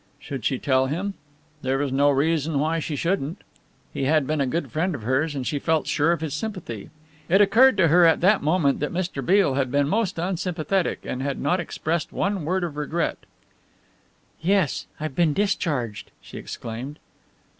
Should she tell him? There was no reason why she shouldn't. He had been a good friend of hers and she felt sure of his sympathy. It occurred to her at that moment that Mr. Beale had been most unsympathetic, and had not expressed one word of regret. "Yes, I've been discharged," she exclaimed.